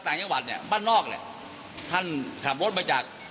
ท่านนอกเนี่ยท่านขับรถไปจาก